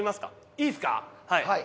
いいですか？